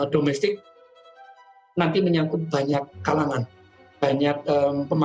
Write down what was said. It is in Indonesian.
domestik nanti menyangkut banyak kalangan banyak pemangku kepentingan